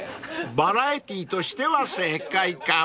［バラエティーとしては正解かも］